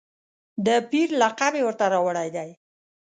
د پیر لقب یې ورته راوړی دی.